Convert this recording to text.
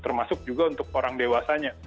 termasuk juga untuk orang dewasanya